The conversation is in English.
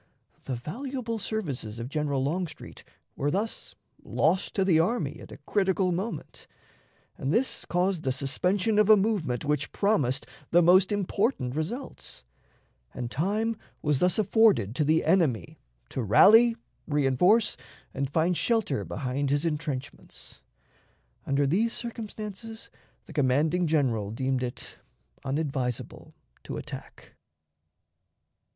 The valuable services of General Longstreet were thus lost to the army at a critical moment, and this caused the suspension of a movement which promised the most important results; and time was thus afforded to the enemy to rally, reënforce, and find shelter behind his intrenchments. Under these circumstances the commanding General deemed it unadvisable to attack.